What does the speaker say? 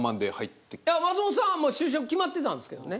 松本さんはもう就職決まってたんですけどね